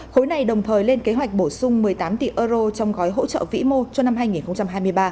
khối này đồng thời lên kế hoạch bổ sung một mươi tám tỷ euro trong gói hỗ trợ vĩ mô cho năm hai nghìn hai mươi ba